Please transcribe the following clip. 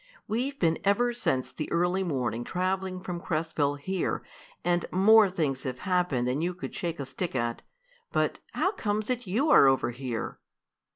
We've been ever since the early morning traveling from Cresville here, and more things have happened than you could shake a stick at. But how comes it you are over here?"